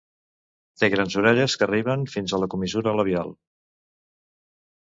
Té grans orelles que arriben fins a la comissura labial.